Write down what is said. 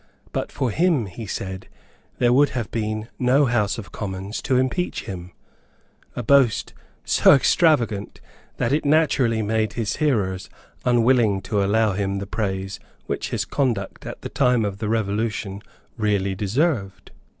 But for him, he said, there would have been no House of Commons to impeach him; a boast so extravagant that it naturally made his hearers unwilling to allow him the praise which his conduct at the time of the Revolution really deserved.